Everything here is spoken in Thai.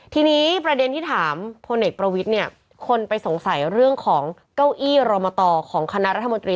ทีนี้ประเด็นที่ถามพลเอกประวิทย์เนี่ยคนไปสงสัยเรื่องของเก้าอี้รมตของคณะรัฐมนตรี